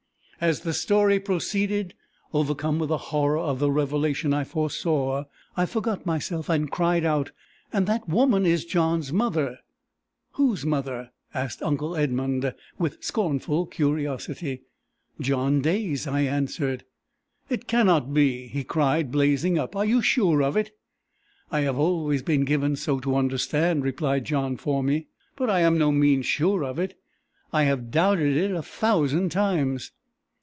As the story proceeded, overcome with the horror of the revelation I foresaw, I forgot myself, and cried out "And that woman is John's mother!" "Whose mother?" asked uncle Edmund, with scornful curiosity. "John Day's," I answered. "It cannot be!" he cried, blazing up. "Are you sure of it?" "I have always been given so to understand," replied John for me; "but I am by no means sure of it. I have doubted it a thousand times."